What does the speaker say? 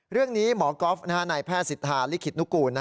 เรื่องนี้หมอก๊อฟนายแพทย์สิทธาลิขิตนุกูล